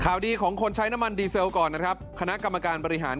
ดีของคนใช้น้ำมันดีเซลก่อนนะครับคณะกรรมการบริหาร